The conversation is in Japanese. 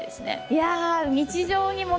いや。